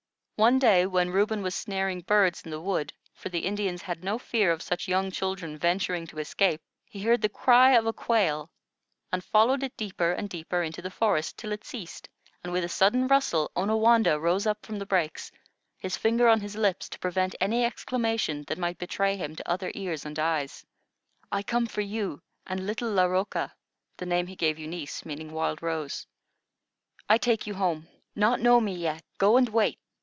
One day, when Reuben was snaring birds in the wood, for the Indians had no fear of such young children venturing to escape, he heard the cry of a quail, and followed it deeper and deeper into the forest, till it ceased, and, with a sudden rustle, Onawandah rose up from the brakes, his finger on his lips to prevent any exclamation that might betray him to other ears and eyes. "I come for you and little Laroka" (the name he gave Eunice, meaning "Wild Rose"). "I take you home. Not know me yet. Go and wait."